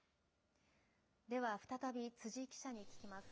では再び、辻記者に聞きます。